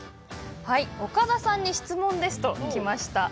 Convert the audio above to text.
岡田さんに質問です、と来ました。